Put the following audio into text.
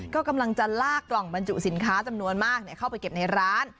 ก็กำลังจะลากกล่องบรรจุสินค้าจำนวนมากเข้าไปเก็บในร้าน